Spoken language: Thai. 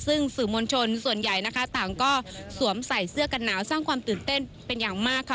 ซึ่งสื่อมวลชนส่วนใหญ่นะคะต่างก็สวมใส่เสื้อกันหนาวสร้างความตื่นเต้นเป็นอย่างมากค่ะ